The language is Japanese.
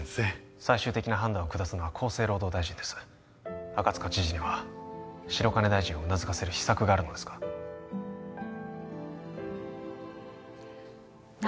最終的な判断を下すのは厚生労働大臣です赤塚知事には白金大臣をうなずかせる秘策があるのですかな